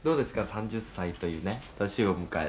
３０歳というね年を迎えて」